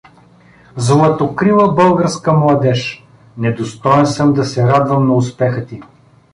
Златокрила българска младеж, недостоен съм да се радвам на успеха ти!